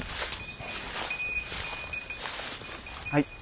はい。